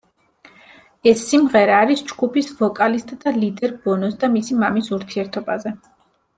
ეს სიმღერა არის ჯგუფის ვოკალისტ და ლიდერ ბონოს და მისი მამის ურთიერთობაზე.